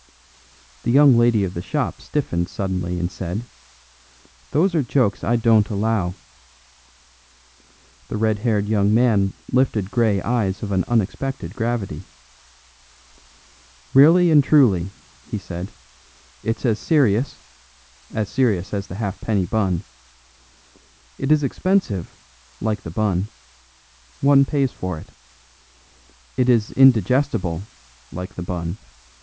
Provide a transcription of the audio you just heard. The young lady of the shop stiffened suddenly and said, "Those are jokes I don't allow." The red haired young man lifted grey eyes of an unexpected gravity. "Really and truly," he said, "it's as serious as serious as the halfpenny bun. It is expensive, like the bun; one pays for it. It is indigestible, like the bun.